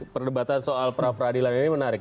perdebatan soal pra peradilan ini menarik